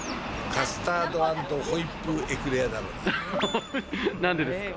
カスタード＆ホイップエクレアだろうね。